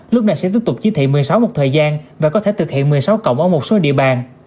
lúc này sẽ tiếp tục chí thị một mươi sáu một thời gian và có thể thực hiện một mươi sáu cộng ở một số địa bàn